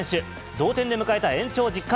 同点で迎えた延長１０回。